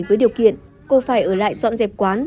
với điều kiện cô phải ở lại dọn dẹp quán